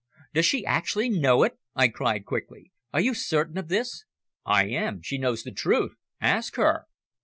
"Does she actually know it?" I cried quickly. "Are you certain of this?" "I am; she knows the truth. Ask her."